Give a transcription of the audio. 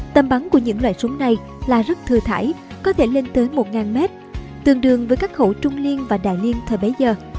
tầm bắn của những loại súng này là rất thừa thải có thể lên tới một mét tương đương với các khẩu trung liên và đại liên thời bấy giờ